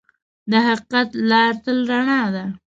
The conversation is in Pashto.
د حقیقت لار تل رڼا ده.